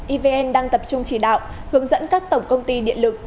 evn đang tập trung chỉ đạo hướng dẫn các tổng công ty điện lực